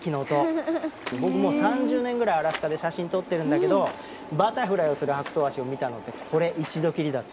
僕も３０年ぐらいアラスカで写真撮ってるんだけどバタフライをするハクトウワシを見たのってこれ一度きりだった。